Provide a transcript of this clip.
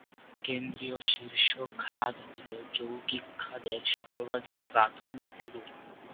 কেন্দ্রীয়-শীর্ষ খাদ হল যৌগিক খাদের সর্বাধিক প্রাথমিক রূপ।